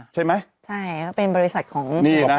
ใช่ไหมใช่ก็เป็นบริษัทของนี่นะ